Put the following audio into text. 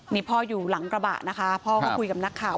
นี่พ่ออยู่หลังกระบะนะคะพ่อก็คุยกับนักข่าว